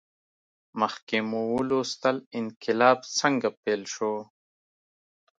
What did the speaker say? مخکې مو ولوستل انقلاب څنګه پیل شو.